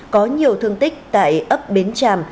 có nhiều thương tích tại ấp bến tràm